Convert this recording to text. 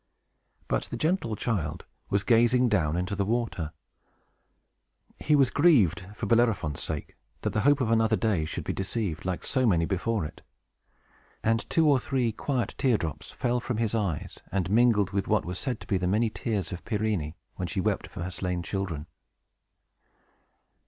But the gentle child was gazing down into the water; he was grieved, for Bellerophon's sake, that the hope of another day should be deceived, like so many before it; and two or three quiet tear drops fell from his eyes, and mingled with what were said to be the many tears of Pirene, when she wept for her slain children.